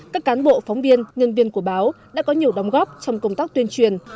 các cán bộ phóng viên nhân viên của báo đã có nhiều đóng góp trong công tác tuyên truyền